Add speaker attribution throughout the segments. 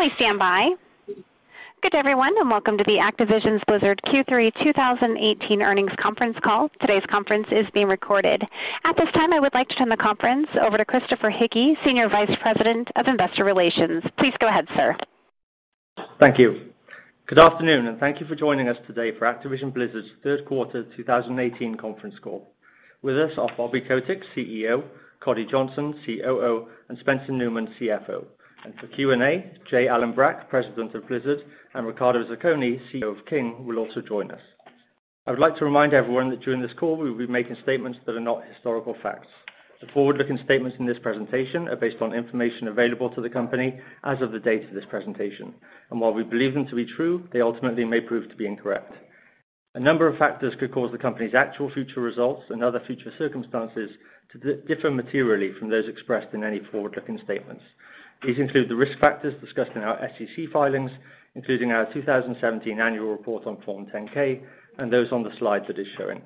Speaker 1: Please stand by. Good everyone, and welcome to the Activision Blizzard Q3 2018 earnings conference call. Today's conference is being recorded. At this time, I would like to turn the conference over to Chris Hickey, Senior Vice President of Investor Relations. Please go ahead, sir.
Speaker 2: Thank you. Good afternoon, and thank you for joining us today for Activision Blizzard's third quarter 2018 conference call. With us are Bobby Kotick, CEO, Coddy Johnson, COO, and Spencer Neumann, CFO. For Q&A, J. Allen Brack, President of Blizzard, and Riccardo Zacconi, CEO of King, will also join us. I would like to remind everyone that during this call, we will be making statements that are not historical facts. The forward-looking statements in this presentation are based on information available to the company as of the date of this presentation. While we believe them to be true, they ultimately may prove to be incorrect. A number of factors could cause the company's actual future results and other future circumstances to differ materially from those expressed in any forward-looking statements. These include the risk factors discussed in our SEC filings, including our 2017 Annual Report on Form 10-K and those on the slide that is showing.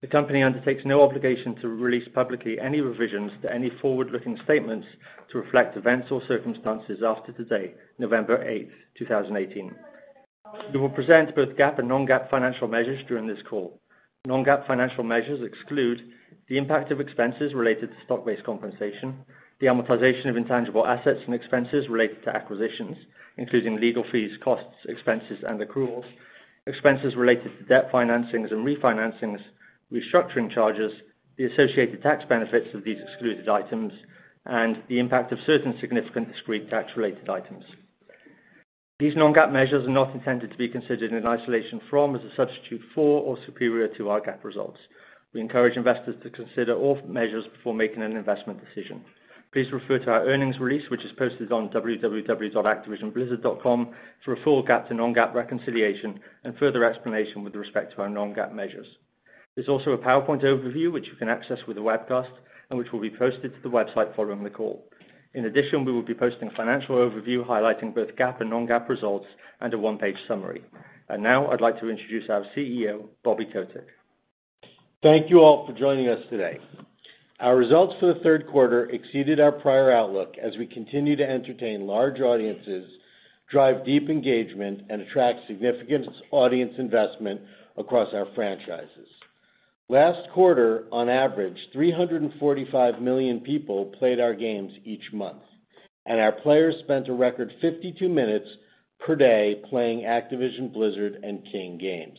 Speaker 2: The company undertakes no obligation to release publicly any revisions to any forward-looking statements to reflect events or circumstances after today, November 8th, 2018. We will present both GAAP and non-GAAP financial measures during this call. Non-GAAP financial measures exclude the impact of expenses related to stock-based compensation, the amortization of intangible assets and expenses related to acquisitions, including legal fees, costs, expenses, and accruals, expenses related to debt financings and refinancings, restructuring charges, the associated tax benefits of these excluded items, and the impact of certain significant discrete tax-related items. These non-GAAP measures are not intended to be considered in isolation from, as a substitute for, or superior to our GAAP results. We encourage investors to consider all measures before making an investment decision. Please refer to our earnings release, which is posted on www.activisionblizzard.com for a full GAAP to non-GAAP reconciliation and further explanation with respect to our non-GAAP measures. There's also a PowerPoint overview, which you can access with the webcast and which will be posted to the website following the call. In addition, we will be posting a financial overview highlighting both GAAP and non-GAAP results and a one-page summary. Now I'd like to introduce our CEO, Bobby Kotick.
Speaker 3: Thank you all for joining us today. Our results for the third quarter exceeded our prior outlook as we continue to entertain large audiences, drive deep engagement, and attract significant audience investment across our franchises. Last quarter, on average, 345 million people played our games each month, and our players spent a record 52 minutes per day playing Activision Blizzard and King games.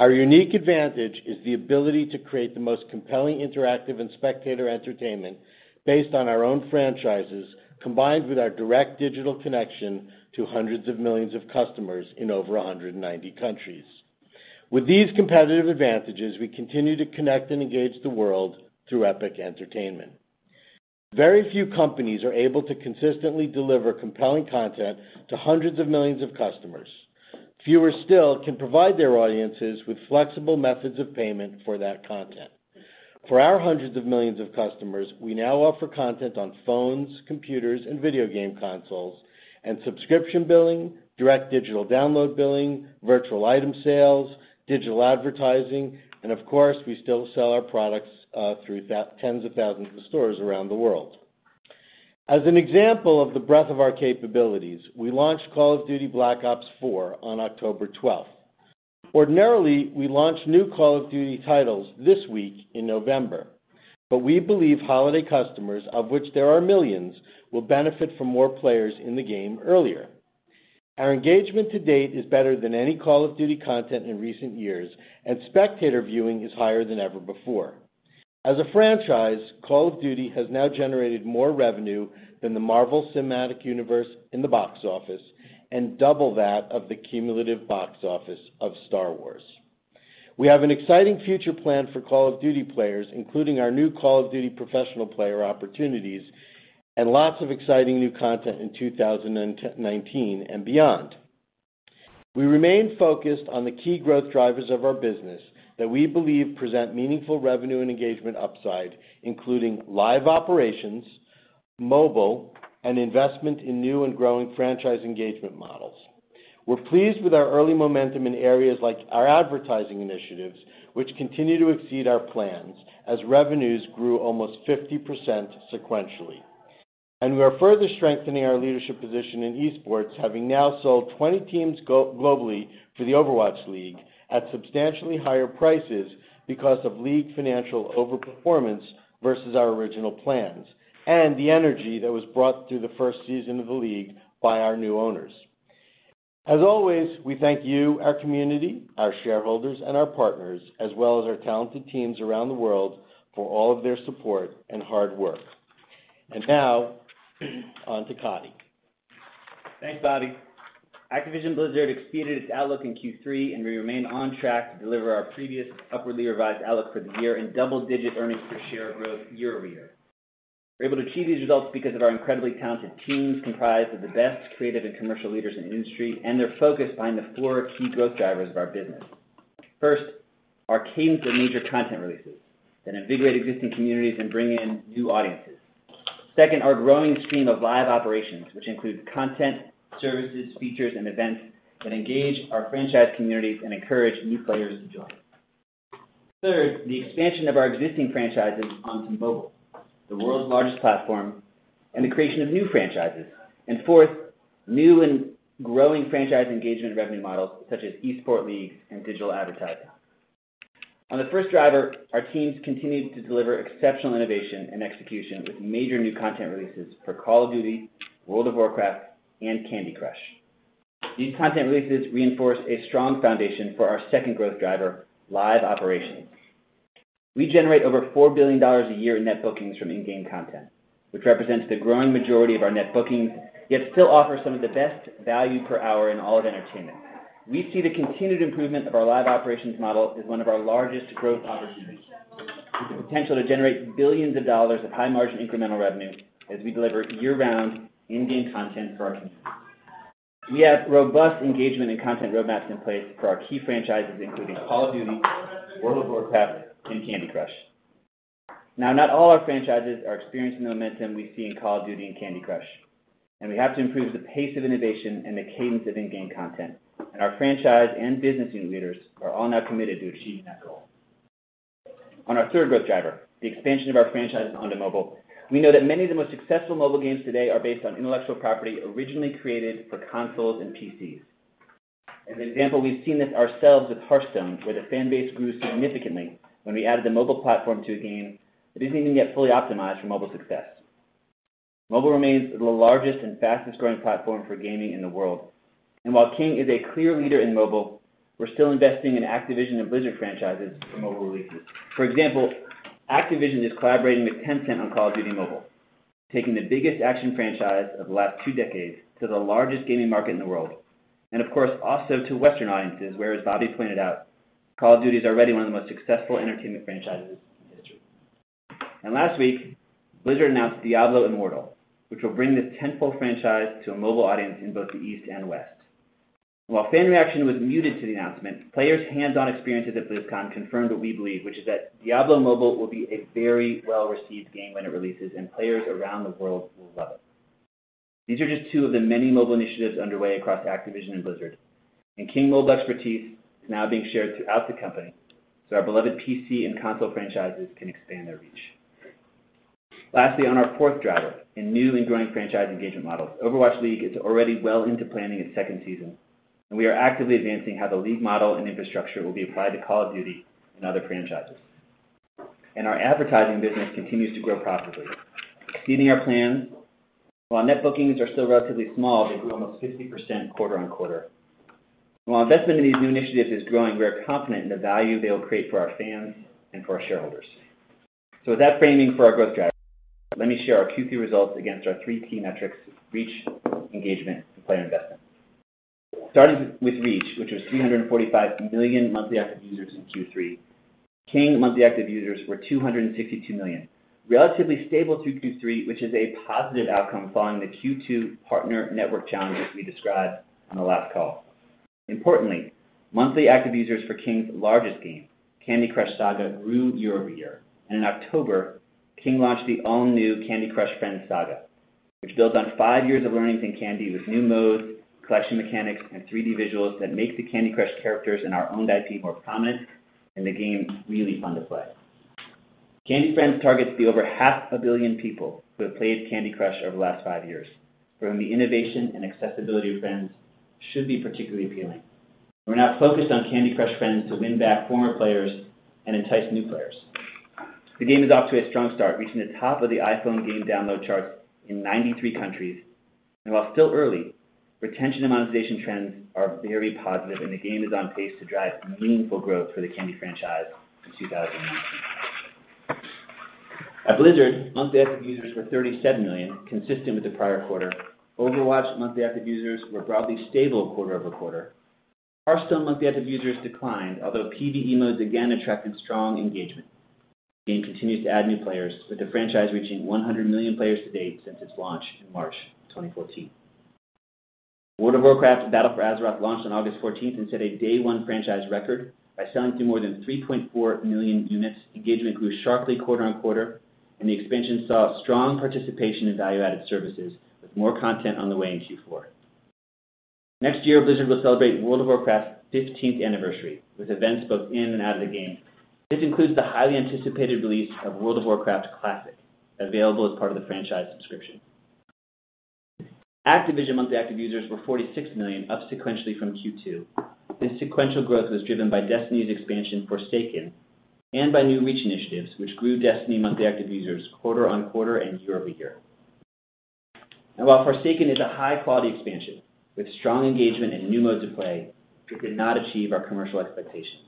Speaker 3: Our unique advantage is the ability to create the most compelling interactive and spectator entertainment based on our own franchises, combined with our direct digital connection to hundreds of millions of customers in over 190 countries. With these competitive advantages, we continue to connect and engage the world through epic entertainment. Very few companies are able to consistently deliver compelling content to hundreds of millions of customers. Fewer still can provide their audiences with flexible methods of payment for that content. For our hundreds of millions of customers, we now offer content on phones, computers, and video game consoles and subscription billing, direct digital download billing, virtual item sales, digital advertising, and of course, we still sell our products through tens of thousands of stores around the world. As an example of the breadth of our capabilities, we launched Call of Duty: Black Ops 4 on October 12th. Ordinarily, we launch new Call of Duty titles this week in November, we believe holiday customers, of which there are millions, will benefit from more players in the game earlier. Our engagement to date is better than any Call of Duty content in recent years, and spectator viewing is higher than ever before. As a franchise, Call of Duty has now generated more revenue than the Marvel Cinematic Universe in the box office and double that of the cumulative box office of Star Wars. We have an exciting future plan for Call of Duty players, including our new Call of Duty professional player opportunities and lots of exciting new content in 2019 and beyond. We remain focused on the key growth drivers of our business that we believe present meaningful revenue and engagement upside, including live operations, mobile, and investment in new and growing franchise engagement models. We're pleased with our early momentum in areas like our advertising initiatives, which continue to exceed our plans as revenues grew almost 50% sequentially. We are further strengthening our leadership position in esports, having now sold 20 teams globally for the Overwatch League at substantially higher prices because of League financial over-performance versus our original plans and the energy that was brought through the first season of the League by our new owners. As always, we thank you, our community, our shareholders, and our partners, as well as our talented teams around the world for all of their support and hard work. Now, on to Coddy.
Speaker 4: Thanks, Bobby. Activision Blizzard exceeded its outlook in Q3, and we remain on track to deliver our previous upwardly revised outlook for the year in double-digit EPS growth year-over-year. We are able to achieve these results because of our incredibly talented teams, comprised of the best creative and commercial leaders in the industry, and their focus behind the four key growth drivers of our business. First, our cadence of major content releases that invigorate existing communities and bring in new audiences. Second, our growing stream of live operations, which includes content, services, features, and events that engage our franchise communities and encourage new players to join. Third, the expansion of our existing franchises onto mobile, the world's largest platform, and the creation of new franchises. Fourth, new and growing franchise engagement revenue models such as esports leagues and digital advertising. On the 1st driver, our teams continued to deliver exceptional innovation and execution with major new content releases for Call of Duty, World of Warcraft, and Candy Crush. These content releases reinforce a strong foundation for our second growth driver, live operations. We generate over $4 billion a year in net bookings from in-game content, which represents the growing majority of our net bookings, yet still offer some of the best value per hour in all of entertainment. We see the continued improvement of our live operations model as one of our largest growth opportunities, with the potential to generate billions of dollars of high-margin incremental revenue as we deliver year-round in-game content for our community. We have robust engagement and content roadmaps in place for our key franchises, including Call of Duty, World of Warcraft, and Candy Crush. Not all our franchises are experiencing the momentum we see in Call of Duty and Candy Crush. We have to improve the pace of innovation and the cadence of in-game content. Our franchise and business unit leaders are all now committed to achieving that goal. On our third growth driver, the expansion of our franchises onto mobile. We know that many of the most successful mobile games today are based on intellectual property originally created for consoles and PCs. As an example, we have seen this ourselves with Hearthstone, where the fan base grew significantly when we added the mobile platform to a game that is not even yet fully optimized for mobile success. Mobile remains the largest and fastest-growing platform for gaming in the world. While King is a clear leader in mobile, we are still investing in Activision and Blizzard franchises for mobile releases. For example, Activision is collaborating with Tencent on Call of Duty: Mobile, taking the biggest action franchise of the last two decades to the largest gaming market in the world. Of course, also to Western audiences, where, as Bobby pointed out, Call of Duty is already one of the most successful entertainment franchises in history. Last week, Blizzard announced Diablo Immortal, which will bring this tentpole franchise to a mobile audience in both the East and West. While fan reaction was muted to the announcement, players' hands-on experiences at BlizzCon confirmed what we believe, which is that Diablo Mobile will be a very well-received game when it releases, and players around the world will love it. These are just two of the many mobile initiatives underway across Activision and Blizzard. King Mobile expertise is now being shared throughout the company, our beloved PC and console franchises can expand their reach. Lastly, on our fourth driver, in new and growing franchise engagement models, Overwatch League is already well into planning its second season. We are actively advancing how the League model and infrastructure will be applied to Call of Duty and other franchises. Our advertising business continues to grow profitably, beating our plans. While net bookings are still relatively small, they grew almost 50% quarter-on-quarter. While investment in these new initiatives is growing, we are confident in the value they'll create for our fans and for our shareholders. With that framing for our growth drivers, let me share our Q3 results against our three key metrics: reach, engagement, and player investment. Starting with reach, which was 345 million monthly active users in Q3. King monthly active users were 262 million. Relatively stable through Q3, which is a positive outcome following the Q2 partner network challenges we described on the last call. Importantly, monthly active users for King's largest game, Candy Crush Saga, grew year-over-year. In October, King launched the all-new Candy Crush Friends Saga, which builds on five years of learnings in Candy with new modes, collection mechanics, and 3D visuals that make the Candy Crush characters and our owned IP more prominent, and the game really fun to play. Candy Friends targets the over half a billion people who have played Candy Crush over the last five years, for whom the innovation and accessibility of Friends should be particularly appealing. We are now focused on Candy Crush Friends to win back former players and entice new players. The game is off to a strong start, reaching the top of the iPhone game download charts in 93 countries. While still early, retention and monetization trends are very positive, and the game is on pace to drive meaningful growth for the Candy franchise in 2019. At Blizzard, monthly active users were 37 million, consistent with the prior quarter. Overwatch monthly active users were broadly stable quarter-over-quarter. Hearthstone monthly active users declined, although PVE modes again attracted strong engagement. The game continues to add new players, with the franchise reaching 100 million players to date since its launch in March 2014. World of Warcraft: Battle for Azeroth launched on August 14th and set a day-one franchise record by selling through more than 3.4 million units. Engagement grew sharply quarter-on-quarter. The expansion saw strong participation in value-added services, with more content on the way in Q4. Next year, Blizzard will celebrate World of Warcraft's 15th anniversary with events both in and out of the game. This includes the highly anticipated release of World of Warcraft Classic, available as part of the franchise subscription. Activision monthly active users were 46 million, up sequentially from Q2. This sequential growth was driven by Destiny's expansion, Forsaken, and by new reach initiatives, which grew Destiny monthly active users quarter-on-quarter and year-over-year. While Forsaken is a high-quality expansion with strong engagement and new modes of play, it did not achieve our commercial expectations.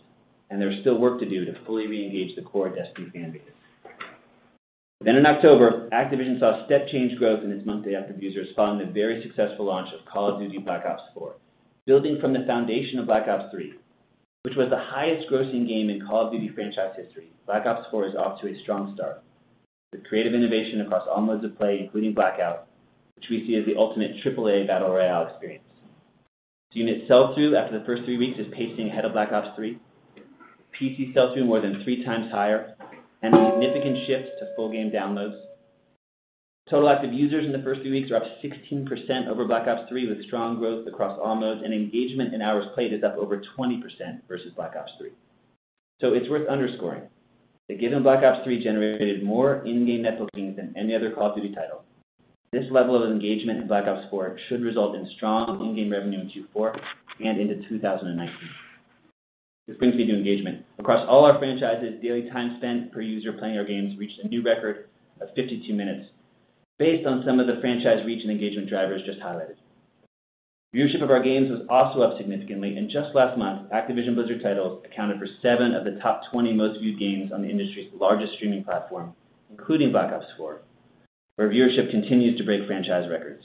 Speaker 4: There is still work to do to fully reengage the core Destiny fan base. In October, Activision saw step-change growth in its monthly active users following the very successful launch of Call of Duty: Black Ops 4. Building from the foundation of Black Ops III, which was the highest-grossing game in Call of Duty franchise history, Black Ops 4 is off to a strong start with creative innovation across all modes of play, including Blackout, which we see as the ultimate AAA battle royale experience. Unit sell-through after the first three weeks is pacing ahead of Black Ops III. PC sell-through more than three times higher, and a significant shift to full game downloads. Total active users in the first few weeks are up 16% over Black Ops III, with strong growth across all modes, and engagement in hours played is up over 20% versus Black Ops III. It's worth underscoring that given Black Ops III generated more in-game net bookings than any other Call of Duty title, this level of engagement in Black Ops 4 should result in strong in-game revenue in Q4 and into 2019. This brings me to engagement. Across all our franchises, daily time spent per user playing our games reached a new record of 52 minutes based on some of the franchise reach and engagement drivers just highlighted. Viewership of our games was also up significantly, and just last month, Activision Blizzard titles accounted for seven of the top 20 most viewed games on the industry's largest streaming platform, including Black Ops 4, where viewership continues to break franchise records.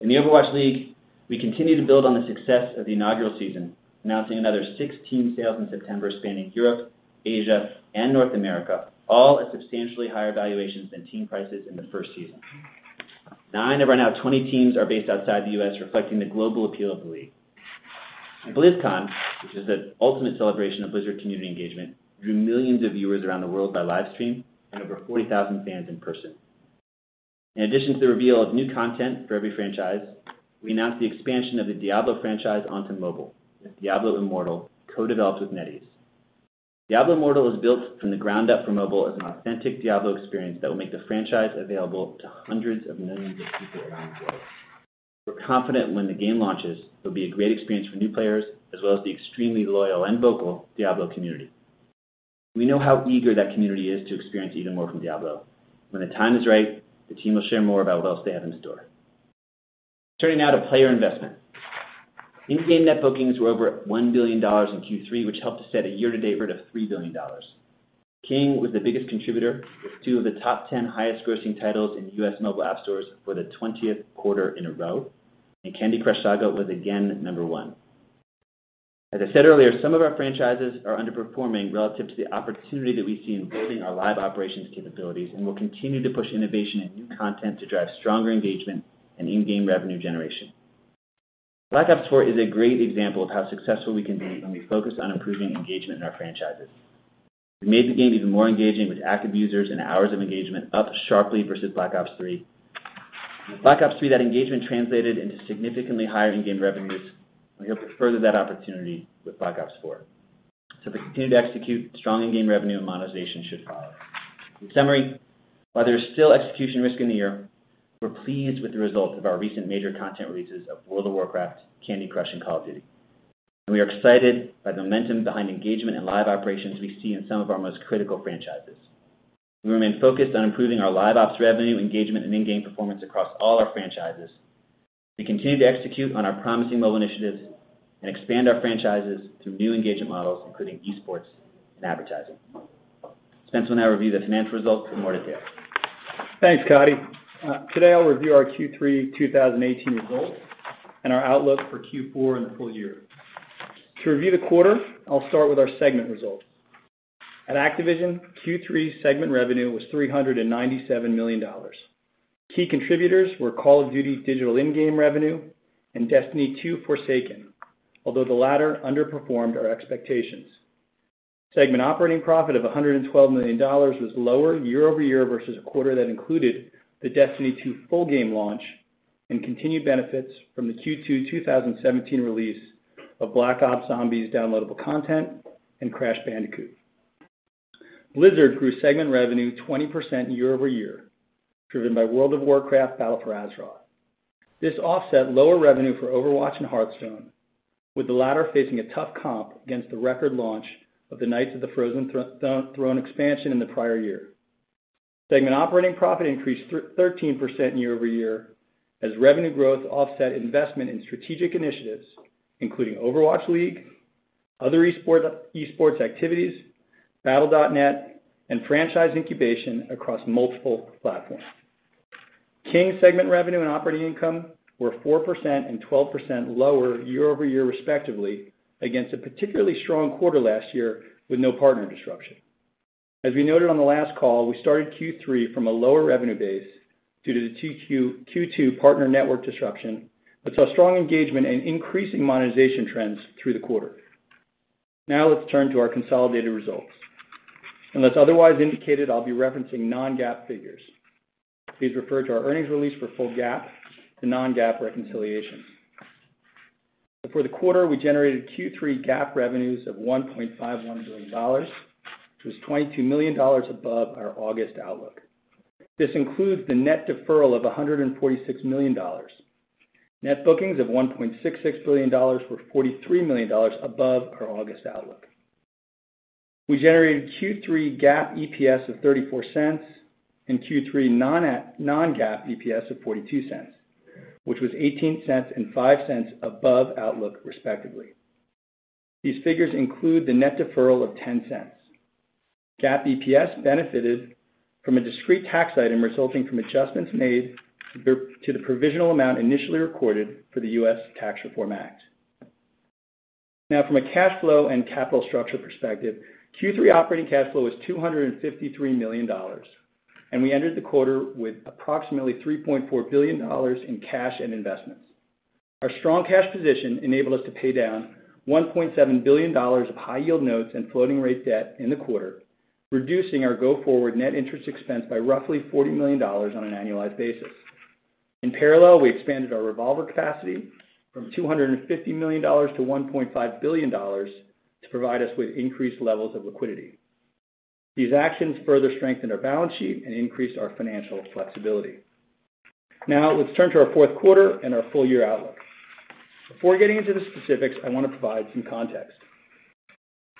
Speaker 4: In the Overwatch League, we continue to build on the success of the inaugural season, announcing another 16 sales in September spanning Europe, Asia, and North America, all at substantially higher valuations than team prices in the first season. Nine of our now 20 teams are based outside the U.S., reflecting the global appeal of the league. At BlizzCon, which is the ultimate celebration of Blizzard community engagement, drew millions of viewers around the world by livestream and over 40,000 fans in person. In addition to the reveal of new content for every franchise, we announced the expansion of the Diablo franchise onto mobile with Diablo Immortal, co-developed with NetEase. Diablo Immortal is built from the ground up for mobile as an authentic Diablo experience that will make the franchise available to hundreds of millions of people around the world. We're confident when the game launches, it'll be a great experience for new players as well as the extremely loyal and vocal Diablo community. We know how eager that community is to experience even more from Diablo. When the time is right, the team will share more about what else they have in store. Turning now to player investment. In-game net bookings were over $1 billion in Q3, which helped us set a year-to-date rate of $3 billion. King was the biggest contributor with two of the top 10 highest grossing titles in U.S. mobile app stores for the 20th quarter in a row, and Candy Crush Saga was again number one. As I said earlier, some of our franchises are underperforming relative to the opportunity that we see in building our live operations capabilities, and we'll continue to push innovation and new content to drive stronger engagement and in-game revenue generation. Black Ops 4 is a great example of how successful we can be when we focus on improving engagement in our franchises. We made the game even more engaging with active users and hours of engagement up sharply versus Black Ops III. With Black Ops III, that engagement translated into significantly higher in-game revenues. We hope to further that opportunity with Black Ops 4. If we continue to execute, strong in-game revenue and monetization should follow. In summary, while there is still execution risk in the year, we're pleased with the results of our recent major content releases of World of Warcraft, Candy Crush, and Call of Duty, and we are excited by the momentum behind engagement and live operations we see in some of our most critical franchises. We remain focused on improving our live ops revenue, engagement, in-game performance across all our franchises. We continue to execute on our promising mobile initiatives and expand our franchises through new engagement models, including esports and advertising. Spence will now review the financial results with more detail.
Speaker 5: Thanks, Coddy. Today I'll review our Q3 2018 results and our outlook for Q4 and the full year. To review the quarter, I'll start with our segment results. At Activision, Q3 segment revenue was $397 million. Key contributors were Call of Duty digital in-game revenue and Destiny 2: Forsaken, although the latter underperformed our expectations. Segment operating profit of $112 million was lower year-over-year versus a quarter that included the Destiny 2 full game launch and continued benefits from the Q2 2017 release of Black Ops Zombies downloadable content and Crash Bandicoot. Blizzard grew segment revenue 20% year-over-year, driven by World of Warcraft: Battle for Azeroth. This offset lower revenue for Overwatch and Hearthstone, with the latter facing a tough comp against the record launch of the Knights of the Frozen Throne expansion in the prior year. Segment operating profit increased 13% year-over-year as revenue growth offset investment in strategic initiatives, including Overwatch League, other esports activities, Battle.net, and franchise incubation across multiple platforms. King segment revenue and operating income were 4% and 12% lower year-over-year respectively against a particularly strong quarter last year with no partner disruption. As we noted on the last call, we started Q3 from a lower revenue base due to the Q2 partner network disruption, but saw strong engagement and increasing monetization trends through the quarter. Let's turn to our consolidated results. Unless otherwise indicated, I'll be referencing non-GAAP figures. Please refer to our earnings release for full GAAP to non-GAAP reconciliations. For the quarter, we generated Q3 GAAP revenues of $1.51 billion, which was $22 million above our August outlook. This includes the net deferral of $146 million. Net bookings of $1.66 billion were $43 million above our August outlook. We generated Q3 GAAP EPS of $0.34 and Q3 non-GAAP EPS of $0.42, which was $0.18 and $0.05 above outlook respectively. These figures include the net deferral of $0.10. GAAP EPS benefited from a discrete tax item resulting from adjustments made to the provisional amount initially recorded for the U.S. Tax Reform Act. From a cash flow and capital structure perspective, Q3 operating cash flow was $253 million, and we ended the quarter with approximately $3.4 billion in cash and investments. Our strong cash position enabled us to pay down $1.7 billion of high-yield notes and floating rate debt in the quarter, reducing our go-forward net interest expense by roughly $40 million on an annualized basis. In parallel, we expanded our revolver capacity from $250 million-$1.5 billion to provide us with increased levels of liquidity. These actions further strengthen our balance sheet and increase our financial flexibility. Let's turn to our fourth quarter and our full-year outlook. Before getting into the specifics, I want to provide some context.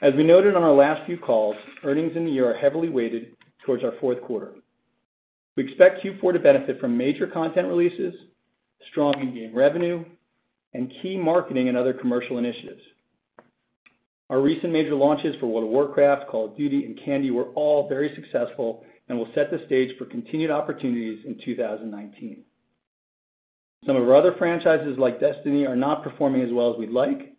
Speaker 5: As we noted on our last few calls, earnings in the year are heavily weighted towards our fourth quarter. We expect Q4 to benefit from major content releases, strong in-game revenue, and key marketing and other commercial initiatives. Our recent major launches for World of Warcraft, Call of Duty, and Candy were all very successful and will set the stage for continued opportunities in 2019. Some of our other franchises, like Destiny, are not performing as well as we'd like,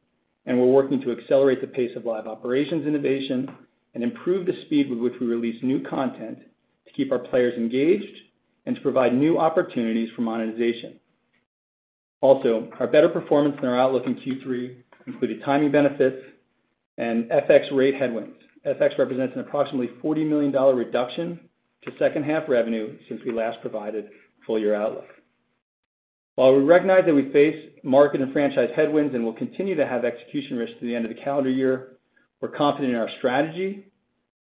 Speaker 5: and we're working to accelerate the pace of live operations innovation and improve the speed with which we release new content to keep our players engaged and to provide new opportunities for monetization. Our better performance than our outlook in Q3 included timing benefits and FX rate headwinds. FX represents an approximately $40 million reduction to second-half revenue since we last provided full-year outlook. We recognize that we face market and franchise headwinds and will continue to have execution risks through the end of the calendar year, we're confident in our strategy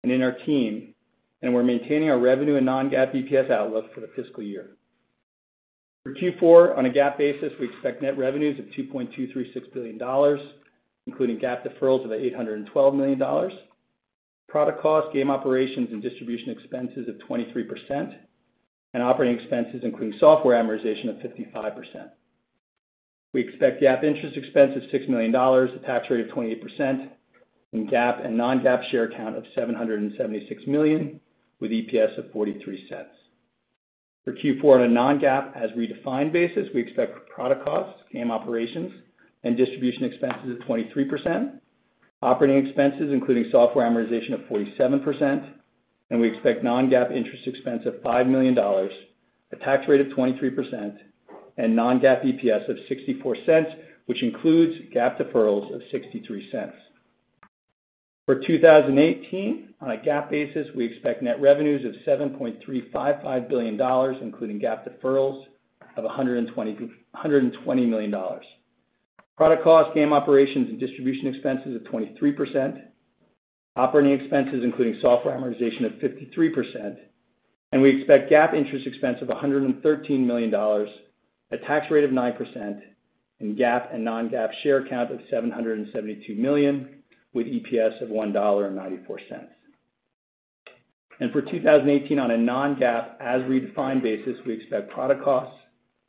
Speaker 5: and in our team, and we're maintaining our revenue and non-GAAP EPS outlook for the fiscal year. For Q4, on a GAAP basis, we expect net revenues of $2.236 billion, including GAAP deferrals of $812 million, product cost, game operations, and distribution expenses of 23%, operating expenses including software amortization of 55%. We expect GAAP interest expense of $6 million, a tax rate of 28%, and GAAP and non-GAAP share count of 776 million, with EPS of $0.43. For Q4 on a non-GAAP as redefined basis, we expect product costs, game operations, and distribution expenses of 23%, operating expenses including software amortization of 47%. We expect non-GAAP interest expense of $5 million, a tax rate of 23%, and non-GAAP EPS of $0.64, which includes GAAP deferrals of $0.63. For 2018, on a GAAP basis, we expect net revenues of $7.355 billion, including GAAP deferrals of $120 million. Product cost, game operations, and distribution expenses of 23%, operating expenses including software amortization of 53%, we expect GAAP interest expense of $113 million, a tax rate of 9%, and GAAP and non-GAAP share count of 772 million, with EPS of $1.94. For 2018, on a non-GAAP as redefined basis, we expect product costs,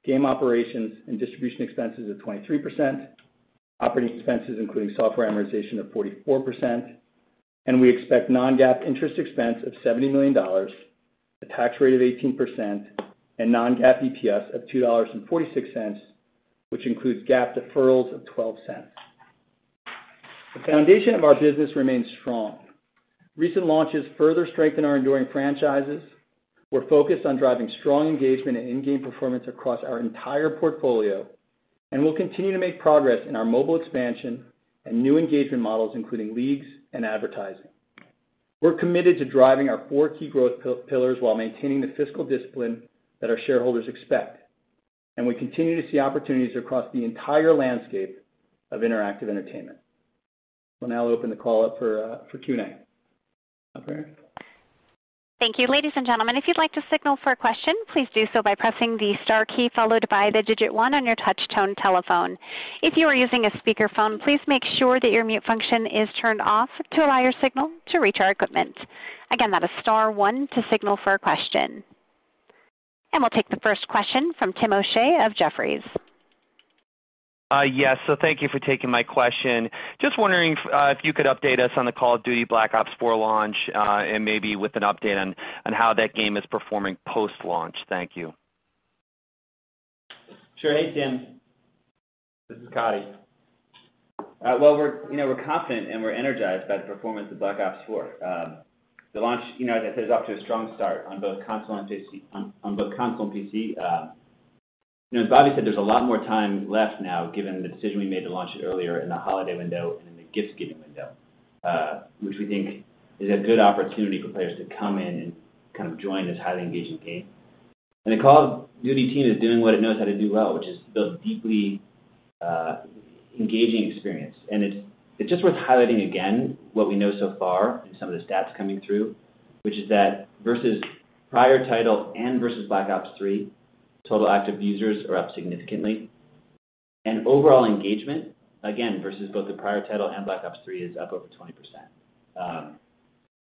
Speaker 5: game operations, and distribution expenses of 23%, operating expenses including software amortization of 44%, we expect non-GAAP interest expense of $70 million, a tax rate of 18%, and non-GAAP EPS of $2.46, which includes GAAP deferrals of $0.12. The foundation of our business remains strong. Recent launches further strengthen our enduring franchises. We're focused on driving strong engagement and in-game performance across our entire portfolio, we'll continue to make progress in our mobile expansion and new engagement models, including leagues and advertising. We're committed to driving our four key growth pillars while maintaining the fiscal discipline that our shareholders expect. We continue to see opportunities across the entire landscape of interactive entertainment. We'll now open the call up for Q&A. Operator?
Speaker 1: Thank you. Ladies and gentlemen, if you'd like to signal for a question, please do so by pressing the star key followed by the digit one on your touch tone telephone. If you are using a speakerphone, please make sure that your mute function is turned off to allow your signal to reach our equipment. Again, that is star one to signal for a question. We'll take the first question from Timothy O'Shea of Jefferies.
Speaker 6: Yes. Thank you for taking my question. Just wondering if you could update us on the Call of Duty: Black Ops 4 launch, and maybe with an update on how that game is performing post-launch. Thank you.
Speaker 4: Sure. Hey, Tim. This is Coddy. We're confident and we're energized by the performance of Black Ops 4. The launch, as I said, is off to a strong start on both console and PC. As Bobby said, there's a lot more time left now given the decision we made to launch it earlier in the holiday window and in the gift-giving window, which we think is a good opportunity for players to come in and join this highly engaging game. The Call of Duty team is doing what it knows how to do well, which is build deeply engaging experience. It's just worth highlighting again what we know so far and some of the stats coming through, which is that versus prior title and versus Black Ops III, total active users are up significantly. Overall engagement, again, versus both the prior title and Black Ops III, is up over 20%.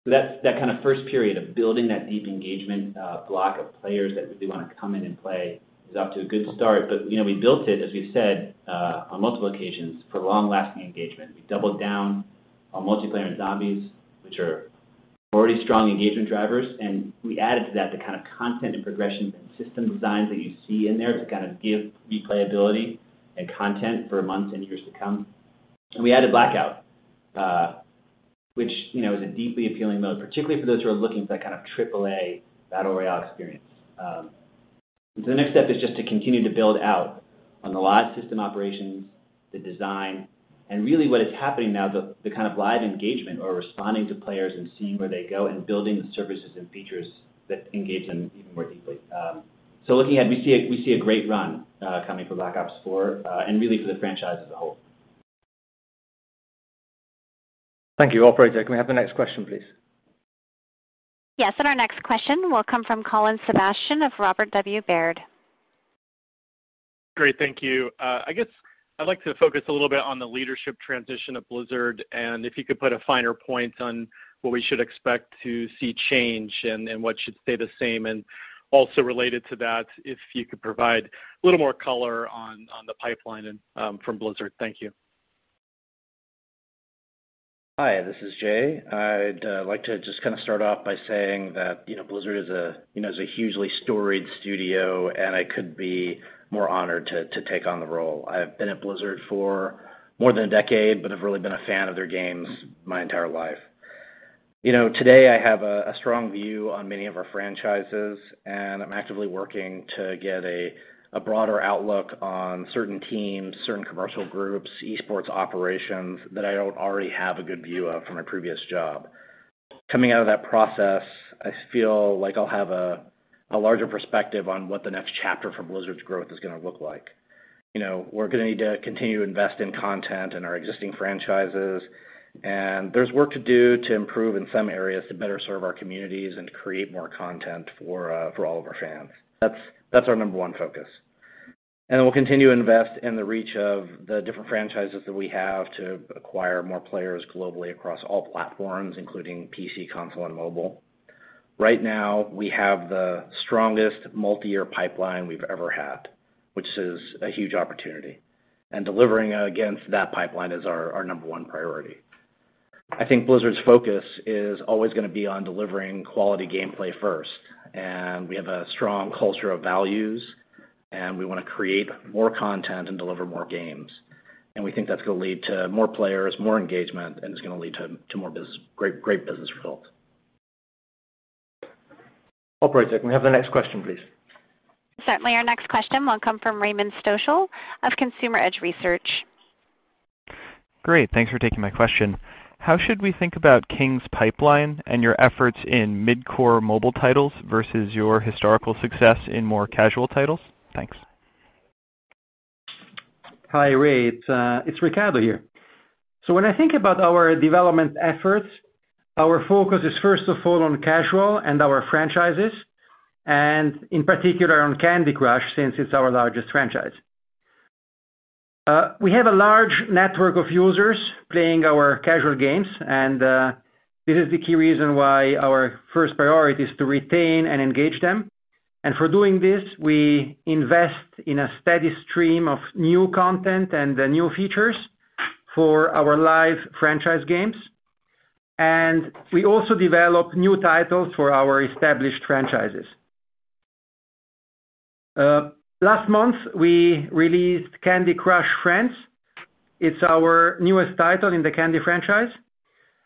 Speaker 4: That kind of first period of building that deep engagement block of players that really want to come in and play is off to a good start. We built it, as we've said on multiple occasions, for long-lasting engagement. We doubled down on multiplayer and zombies, which are already strong engagement drivers, and we added to that the kind of content and progression and system designs that you see in there to kind of give replayability and content for months and years to come. We added Blackout. Which is a deeply appealing mode, particularly for those who are looking for that kind of triple A battle royale experience. The next step is just to continue to build out on the live system operations, the design, and really what is happening now, the kind of live engagement or responding to players and seeing where they go and building the services and features that engage them even more deeply. Looking ahead, we see a great run coming for Black Ops 4, and really for the franchise as a whole.
Speaker 2: Thank you. Operator, can we have the next question, please?
Speaker 1: Yes, our next question will come from Colin Sebastian of Robert W. Baird.
Speaker 7: Great. Thank you. I guess I'd like to focus a little bit on the leadership transition of Blizzard, and if you could put a finer point on what we should expect to see change and what should stay the same. Also related to that, if you could provide a little more color on the pipeline from Blizzard. Thank you.
Speaker 8: Hi, this is J. I'd like to just start off by saying that Blizzard is a hugely storied studio, I couldn't be more honored to take on the role. I've been at Blizzard for more than a decade, I've really been a fan of their games my entire life. Today I have a strong view on many of our franchises, I'm actively working to get a broader outlook on certain teams, certain commercial groups, esports operations that I don't already have a good view of from my previous job. Coming out of that process, I feel like I'll have a larger perspective on what the next chapter for Blizzard's growth is going to look like. We're going to need to continue to invest in content and our existing franchises, there's work to do to improve in some areas to better serve our communities and create more content for all of our fans. That's our number one focus. We'll continue to invest in the reach of the different franchises that we have to acquire more players globally across all platforms, including PC, console, and mobile. Right now, we have the strongest multi-year pipeline we've ever had, which is a huge opportunity. Delivering against that pipeline is our number one priority. I think Blizzard's focus is always going to be on delivering quality gameplay first. We have a strong culture of values, and we want to create more content and deliver more games. We think that's going to lead to more players, more engagement, and it's going to lead to great business results.
Speaker 2: Operator, can we have the next question, please?
Speaker 1: Certainly. Our next question will come from Raymond Stochel of Consumer Edge Research.
Speaker 9: Great. Thanks for taking my question. How should we think about King's pipeline and your efforts in mid-core mobile titles versus your historical success in more casual titles? Thanks.
Speaker 10: Hi, Ray. It's Riccardo here. When I think about our development efforts, our focus is first of all on casual and our franchises, in particular on Candy Crush, since it's our largest franchise. We have a large network of users playing our casual games, this is the key reason why our first priority is to retain and engage them. For doing this, we invest in a steady stream of new content and new features for our live franchise games. We also develop new titles for our established franchises. Last month, we released Candy Crush Friends. It's our newest title in the Candy franchise,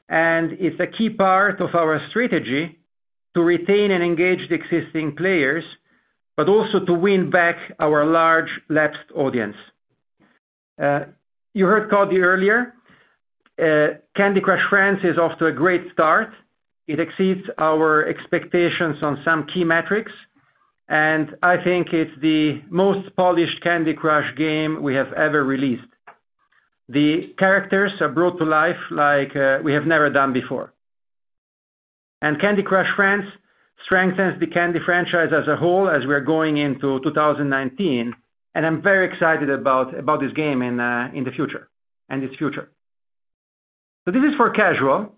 Speaker 10: it's a key part of our strategy to retain and engage the existing players, but also to win back our large lapsed audience. You heard Coddy earlier. Candy Crush Friends is off to a great start. It exceeds our expectations on some key metrics, I think it's the most polished Candy Crush game we have ever released. The characters are brought to life like we have never done before. Candy Crush Friends strengthens the Candy franchise as a whole as we are going into 2019, I'm very excited about this game and its future. This is for casual.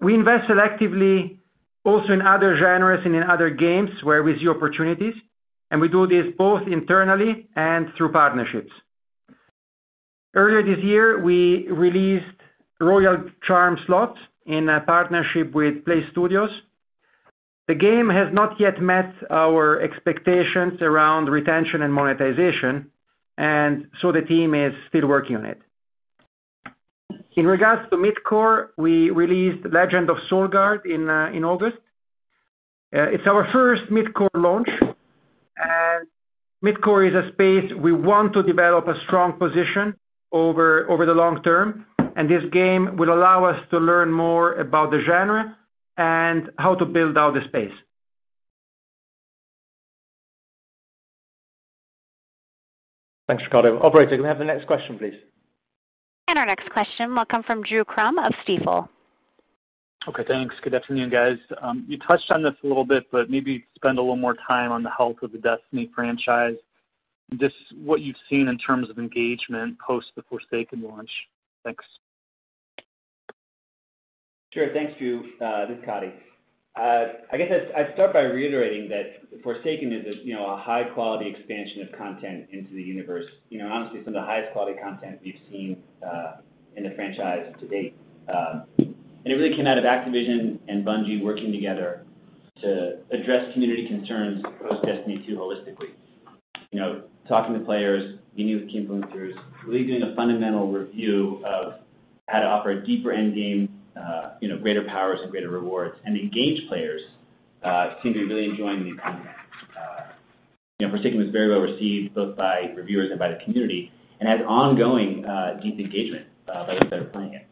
Speaker 10: We invest selectively also in other genres and in other games where we see opportunities, we do this both internally and through partnerships. Earlier this year, we released Royal Charm Slots in a partnership with Playstudios. The game has not yet met our expectations around retention and monetization, the team is still working on it. In regards to mid-core, we released Legend of Solgard in August. It's our first mid-core launch, mid-core is a space we want to develop a strong position over the long term, this game will allow us to learn more about the genre and how to build out the space.
Speaker 2: Thanks, Riccardo. Operator, can we have the next question, please?
Speaker 1: Our next question will come from Drew Crum of Stifel.
Speaker 11: Okay, thanks. Good afternoon, guys. You touched on this a little bit, but maybe spend a little more time on the health of the Destiny franchise. Just what you've seen in terms of engagement post the Forsaken launch. Thanks.
Speaker 4: Sure. Thanks, Drew. This is Coddy. I guess I'd start by reiterating that Forsaken is a high-quality expansion of content into the universe. Honestly, some of the highest quality content we've seen in the franchise to date. It really came out of Activision and Bungie working together to address community concerns post Destiny 2 holistically. Talking to players, meeting with the King builders, really doing a fundamental review of how to offer a deeper end game, greater powers and greater rewards, and engage players seem to be really enjoying the content. For instance, it was very well received both by reviewers and by the community, and has ongoing deep engagement by those that are playing it.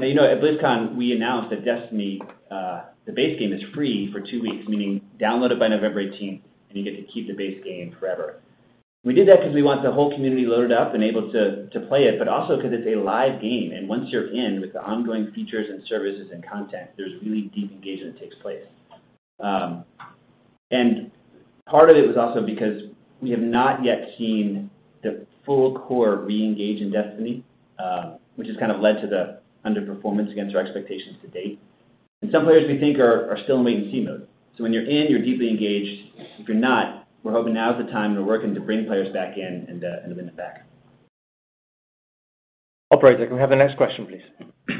Speaker 4: Now at BlizzCon, we announced that Destiny, the base game is free for two weeks, meaning download it by November 18th, and you get to keep the base game forever. We did that because we want the whole community loaded up and able to play it, but also because it's a live game, and once you're in with the ongoing features and services and content, there's really deep engagement that takes place. Part of it was also because we have not yet seen the full core re-engage in Destiny, which has kind of led to the underperformance against our expectations to date. Some players we think are still in wait-and-see mode. When you're in, you're deeply engaged. If you're not, we're hoping now's the time to work and to bring players back in and win it back. Operator, can we have the next question, please?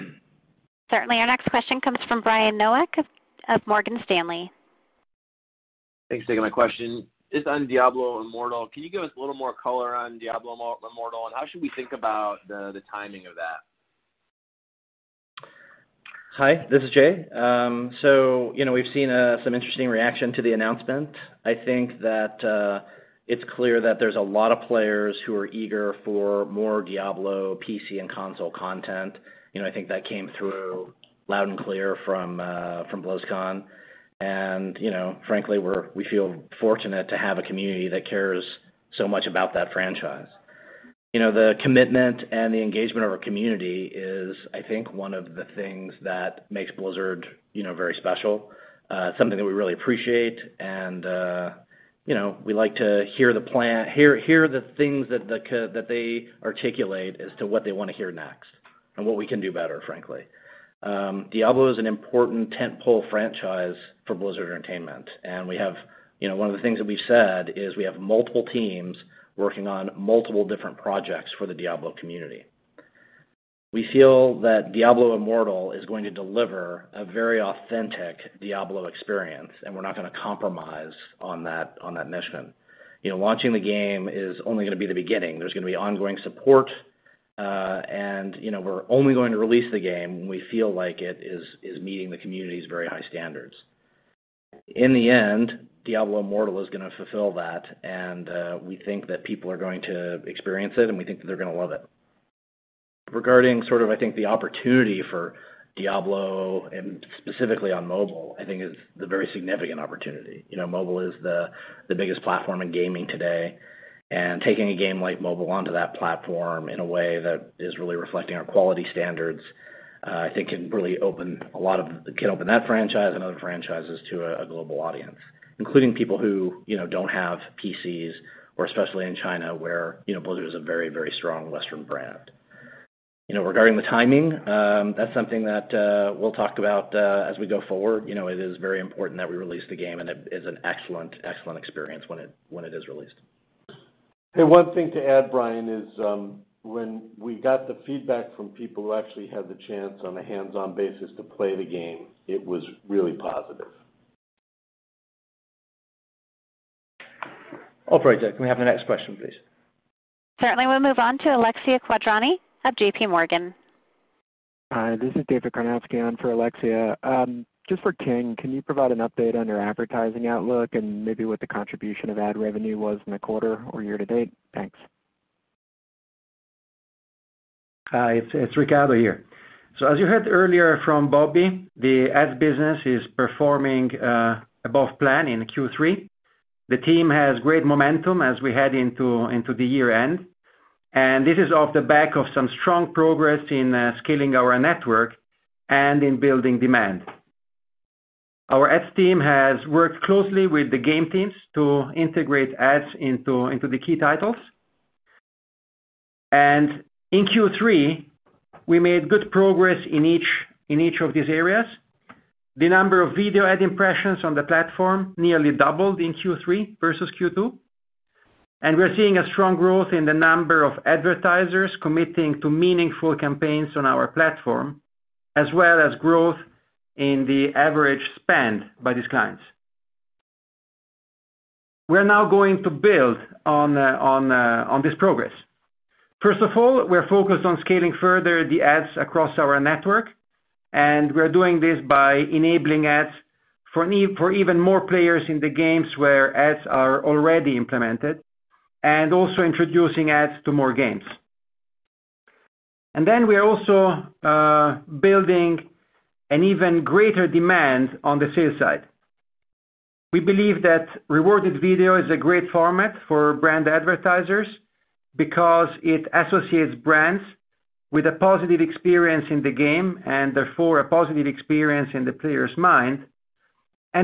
Speaker 1: Certainly. Our next question comes from Brian Nowak of Morgan Stanley.
Speaker 12: Thanks for taking my question. Just on Diablo Immortal, can you give us a little more color on Diablo Immortal, and how should we think about the timing of that?
Speaker 8: Hi, this is J. We've seen some interesting reaction to the announcement. I think that it's clear that there's a lot of players who are eager for more Diablo PC and console content. I think that came through loud and clear from BlizzCon. Frankly, we feel fortunate to have a community that cares so much about that franchise. The commitment and the engagement of our community is, I think, one of the things that makes Blizzard very special, something that we really appreciate, and we like to hear the things that they articulate as to what they want to hear next, and what we can do better, frankly. Diablo is an important tentpole franchise for Blizzard Entertainment, and one of the things that we've said is we have multiple teams working on multiple different projects for the Diablo community. We feel that Diablo Immortal is going to deliver a very authentic Diablo experience, and we're not going to compromise on that mission. Launching the game is only going to be the beginning. There's going to be ongoing support, and we're only going to release the game when we feel like it is meeting the community's very high standards. In the end, Diablo Immortal is going to fulfill that, and we think that people are going to experience it, and we think that they're going to love it. Regarding sort of, I think the opportunity for Diablo and specifically on mobile, I think is a very significant opportunity. Mobile is the biggest platform in gaming today, and taking a game like mobile onto that platform in a way that is really reflecting our quality standards, I think can really open that franchise and other franchises to a global audience, including people who don't have PCs or especially in China, where Blizzard is a very, very strong Western brand. Regarding the timing, that's something that we'll talk about as we go forward. It is very important that we release the game, and it's an excellent experience when it is released. Hey, one thing to add, Brian, is when we got the feedback from people who actually had the chance on a hands-on basis to play the game, it was really positive. Operator, can we have the next question, please?
Speaker 1: Certainly. We'll move on to Alexia Quadrani of JPMorgan.
Speaker 13: Hi, this is David Karnovsky on for Alexia. Just for King, can you provide an update on your advertising outlook and maybe what the contribution of ad revenue was in the quarter or year to date? Thanks.
Speaker 10: Hi, it's Riccardo here. As you heard earlier from Bobby, the ads business is performing above plan in Q3. The team has great momentum as we head into the year-end, this is off the back of some strong progress in scaling our network and in building demand. Our ads team has worked closely with the game teams to integrate ads into the key titles. In Q3, we made good progress in each of these areas. The number of video ad impressions on the platform nearly doubled in Q3 versus Q2, we're seeing a strong growth in the number of advertisers committing to meaningful campaigns on our platform, as well as growth in the average spend by these clients. We're now going to build on this progress. First of all, we're focused on scaling further the ads across our network, we're doing this by enabling ads for even more players in the games where ads are already implemented, also introducing ads to more games. We are also building an even greater demand on the sales side. We believe that rewarded video is a great format for brand advertisers because it associates brands with a positive experience in the game and therefore a positive experience in the player's mind,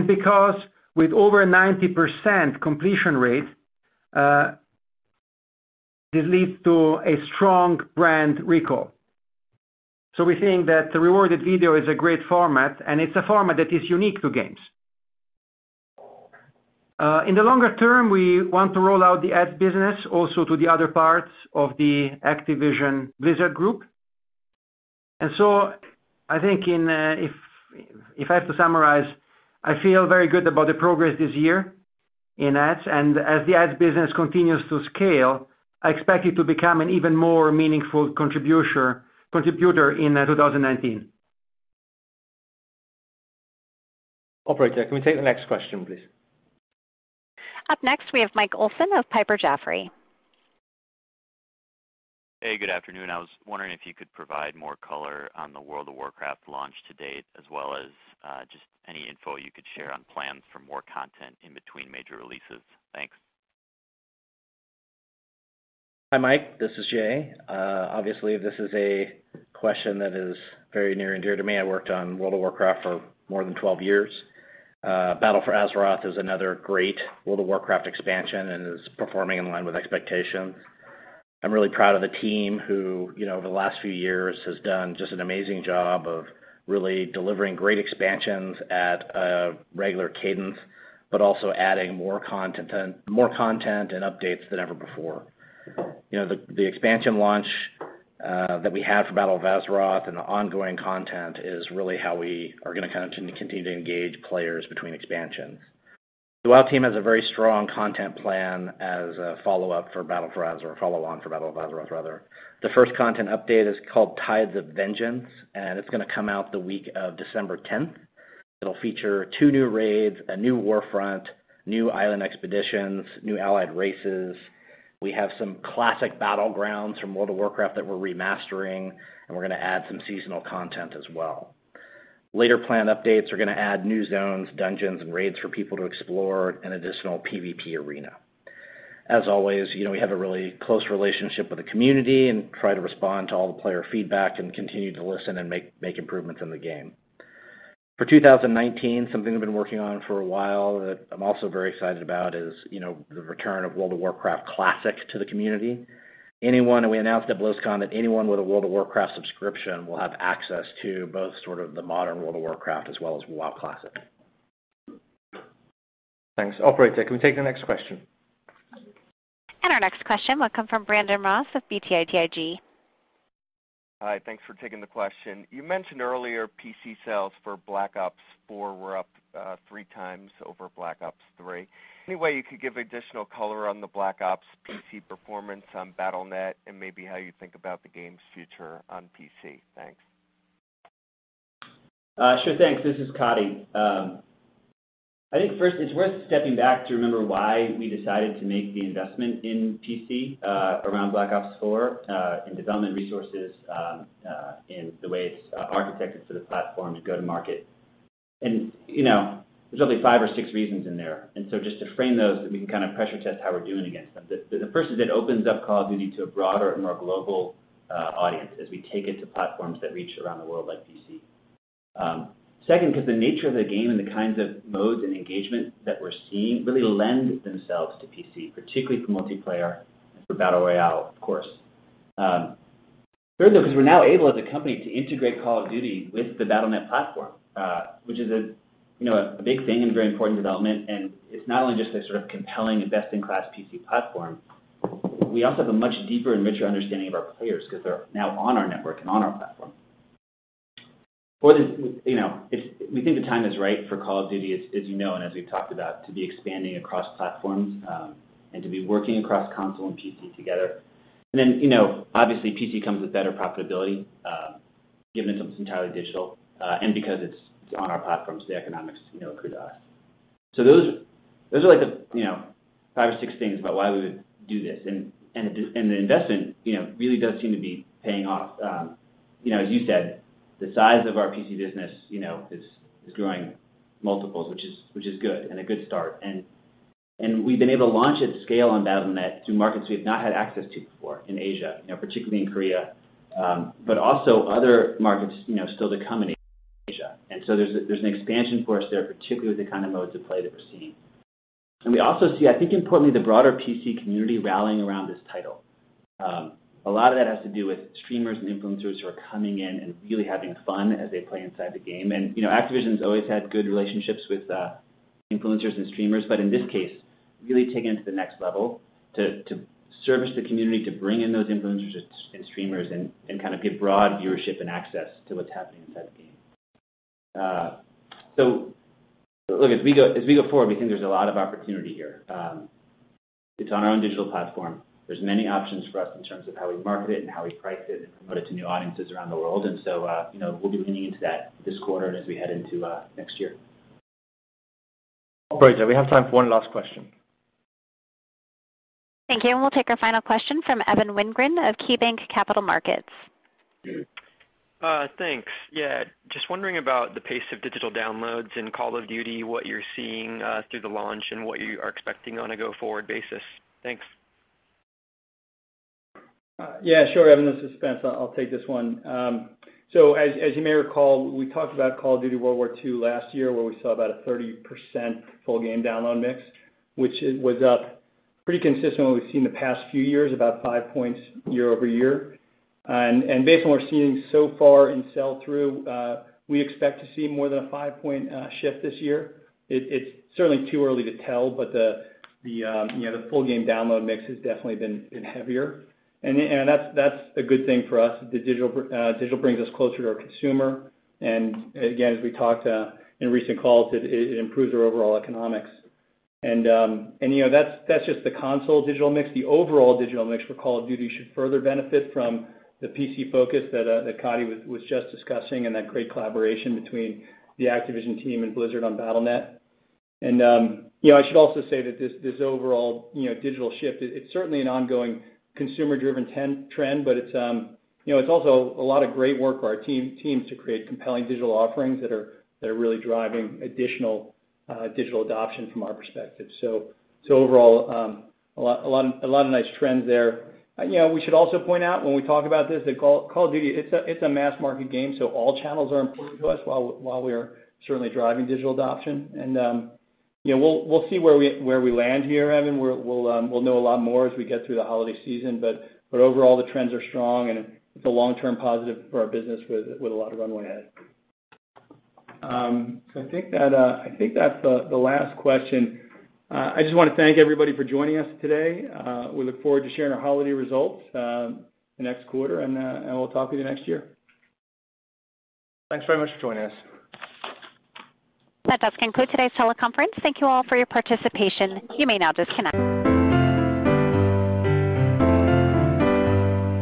Speaker 10: because with over 90% completion rate, this leads to a strong brand recall. We think that the rewarded video is a great format, it's a format that is unique to games. In the longer term, we want to roll out the ads business also to the other parts of the Activision Blizzard group. I think if I have to summarize, I feel very good about the progress this year in ads. As the ads business continues to scale, I expect it to become an even more meaningful contributor in 2019. Operator, can we take the next question, please?
Speaker 1: Up next, we have Michael Olson of Piper Jaffray.
Speaker 14: Hey, good afternoon. I was wondering if you could provide more color on the World of Warcraft launch to date, as well as just any info you could share on plans for more content in between major releases. Thanks.
Speaker 8: Hi, Mike. This is J. Obviously, this is a question that is very near and dear to me. I worked on World of Warcraft for more than 12 years. Battle for Azeroth is another great World of Warcraft expansion and is performing in line with expectations. I'm really proud of the team who over the last few years has done just an amazing job of really delivering great expansions at a regular cadence, but also adding more content and updates than ever before. The expansion launch that we had for Battle for Azeroth and the ongoing content is really how we are going to kind of continue to engage players between expansions. The WoW team has a very strong content plan as a follow-up for Battle for Azeroth, follow-on for Battle for Azeroth, rather. The first content update is called Tides of Vengeance, and it's going to come out the week of December 10th. It'll feature two new raids, a new war front, new island expeditions, new allied races. We have some classic battlegrounds from World of Warcraft that we're remastering, and we're going to add some seasonal content as well. Later plan updates are going to add new zones, dungeons, and raids for people to explore, and additional PVP arena. As always, we have a really close relationship with the community and try to respond to all the player feedback and continue to listen and make improvements in the game. For 2019, something we've been working on for a while that I'm also very excited about is the return of World of Warcraft Classic to the community. We announced at BlizzCon that anyone with a World of Warcraft subscription will have access to both sort of the modern World of Warcraft as well as WoW Classic.
Speaker 4: Thanks. Operator, can we take the next question?
Speaker 1: Our next question will come from Brandon Ross of BTIG.
Speaker 15: Hi, thanks for taking the question. You mentioned earlier PC sales for Black Ops 4 were up three times over Black Ops III. Any way you could give additional color on the Black Ops PC performance on Battle.net, and maybe how you think about the game's future on PC? Thanks.
Speaker 4: Sure, thanks. This is Coddy. I think first it's worth stepping back to remember why we decided to make the investment in PC around Black Ops 4, in development resources, in the way it's architected for the platform to go to market. There's only five or six reasons in there. Just to frame those so we can kind of pressure test how we're doing against them. The first is it opens up Call of Duty to a broader and more global audience as we take it to platforms that reach around the world like PC. Second, because the nature of the game and the kinds of modes and engagement that we're seeing really lend themselves to PC, particularly for multiplayer and for battle royale, of course. Third, though, because we're now able as a company to integrate Call of Duty with the Battle.net platform, which is a big thing and a very important development, it's not only just a sort of compelling and best-in-class PC platform, we also have a much deeper and richer understanding of our players because they're now on our network and on our platform. We think the time is right for Call of Duty, as you know and as we've talked about, to be expanding across platforms, to be working across console and PC together. Then, obviously PC comes with better profitability, given that it's entirely digital. Because it's on our platform, the economics accrue to us. Those are like the five or six things about why we would do this. The investment really does seem to be paying off. As you said, the size of our PC business is growing multiples, which is good and a good start. We've been able to launch at scale on Battle.net to markets we've not had access to before in Asia, particularly in Korea, but also other markets still to come in Asia. There's an expansion for us there, particularly with the kind of modes of play that we're seeing. We also see, I think importantly, the broader PC community rallying around this title. A lot of that has to do with streamers and influencers who are coming in and really having fun as they play inside the game. Activision's always had good relationships with influencers and streamers, but in this case, really taking it to the next level to service the community, to bring in those influencers and streamers and kind of give broad viewership and access to what's happening inside the game. Look, as we go forward, we think there's a lot of opportunity here. It's on our own digital platform. There's many options for us in terms of how we market it and how we price it and promote it to new audiences around the world. We'll be leaning into that this quarter and as we head into next year.
Speaker 2: Operator, we have time for one last question.
Speaker 1: Thank you. We'll take our final question from Evan Wingren of KeyBanc Capital Markets.
Speaker 16: Thanks. Just wondering about the pace of digital downloads in Call of Duty, what you're seeing through the launch and what you are expecting on a go-forward basis. Thanks.
Speaker 5: Sure, Evan. This is Spence. I'll take this one. As you may recall, we talked about Call of Duty: WWII last year, where we saw about a 30% full game download mix, which was up pretty consistent with what we've seen the past few years, about five points year-over-year. Based on what we're seeing so far in sell through, we expect to see more than a five-point shift this year. It's certainly too early to tell, but the full game download mix has definitely been heavier, and that's a good thing for us. The digital brings us closer to our consumer, and again, as we talked in recent calls, it improves our overall economics. That's just the console digital mix. The overall digital mix for Call of Duty should further benefit from the PC focus that Coddy was just discussing and that great collaboration between the Activision team and Blizzard on Battle.net. I should also say that this overall digital shift, it's certainly an ongoing consumer-driven trend, but it's also a lot of great work by our teams to create compelling digital offerings that are really driving additional digital adoption from our perspective. Overall, a lot of nice trends there. We should also point out when we talk about this, that Call of Duty, it's a mass market game, so all channels are important to us while we are certainly driving digital adoption. We'll see where we land here, Evan. We'll know a lot more as we get through the holiday season, but overall, the trends are strong, and it's a long-term positive for our business with a lot of runway ahead. I think that's the last question. I just want to thank everybody for joining us today. We look forward to sharing our holiday results in the next quarter, and we'll talk to you next year.
Speaker 3: Thanks very much for joining us.
Speaker 1: That does conclude today's teleconference. Thank you all for your participation. You may now disconnect.